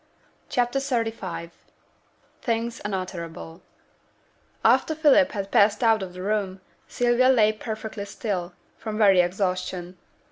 CHAPTER XXXV THINGS UNUTTERABLE After Philip had passed out of the room, Sylvia lay perfectly still, from very exhaustion.